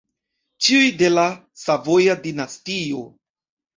Ĉiuj de la Savoja dinastio.